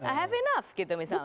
i have enough gitu misalnya